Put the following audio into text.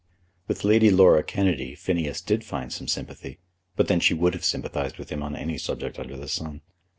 With Lady Laura Kennedy, Phineas did find some sympathy; but then she would have sympathised with him on any subject under the sun.